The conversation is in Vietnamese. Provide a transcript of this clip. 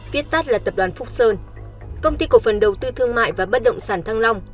viết tắt là tập đoàn phúc sơn công ty cổ phần đầu tư thương mại và bất động sản thăng long